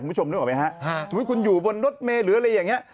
คุณผู้ชมนึกออกไหมฮะสมมุติคุณอยู่บนรถเมย์หรืออะไรอย่างนี้